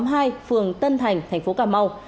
phường tân thành thành phố cà mau